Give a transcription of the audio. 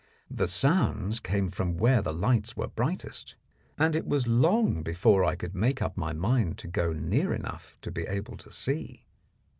The sounds came from where the lights were brightest, and it was long before I could make up my mind to go near enough to be able to see.